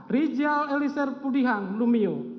rijal elisir pudihang lumio